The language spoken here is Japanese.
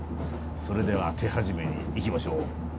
それでは手始めにいきましょう。